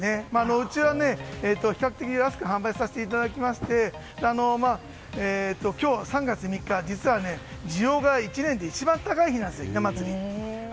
うちは比較的安く販売させていただいておりまして今日は３月３日需要が１年で一番高い日なんです、ひな祭り。